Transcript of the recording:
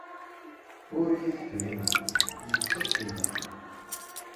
Ur iyi-tefhimeḍ. Netta ad k-ineɣ.